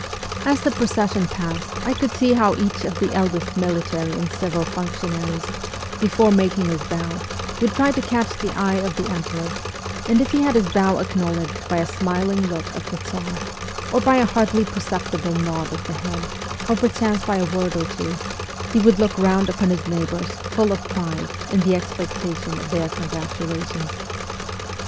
As the procession passed I could see how each of the eldest military and civil functionaries, before making his bow, would try to catch the eye of the emperor, and if he had his bow acknowledged by a smiling look of the Tsar, or by a hardly perceptible nod of the head, or perchance by a word or two, he would look round upon his neighbours, full of pride, in the expectation of their congratulations.